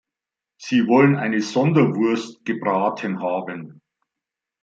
Sie wollen eine Sonderwurst gebraten haben!